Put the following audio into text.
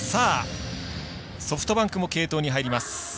ソフトバンクも継投に入ります。